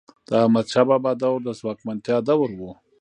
د احمدشاه بابا دور د ځواکمنتیا دور و.